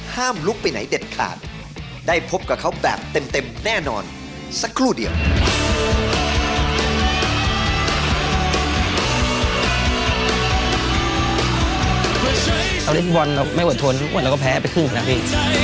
เหมือนเราก็แพ้ไปครึ่งนาที